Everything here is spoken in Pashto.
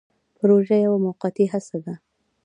پروژه یوه موقتي هڅه ده